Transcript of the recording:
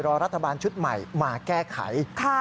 รอรัฐบาลชุดใหม่มาแก้ไข